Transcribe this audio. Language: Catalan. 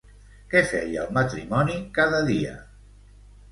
Què feia el matrimoni cada dia?